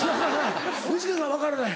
具志堅さん分からない？